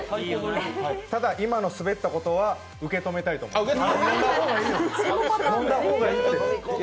ただ、今の滑ったことは受け止めたいと思います。